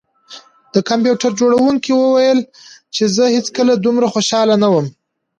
د کمپیوټر جوړونکي وویل چې زه هیڅکله دومره خوشحاله نه وم